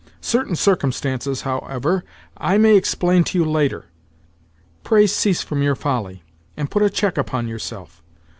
Certain circumstances, however, I may explain to you later. Pray cease from your folly, and put a check upon yourself.